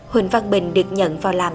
huỳnh văn bình được nhận vào làm